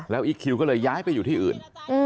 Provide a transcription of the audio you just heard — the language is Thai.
อีคคิวก็เลยย้ายไปอยู่ที่อื่น